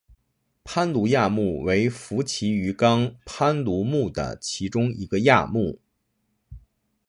攀鲈亚目为辐鳍鱼纲攀鲈目的其中一个亚目。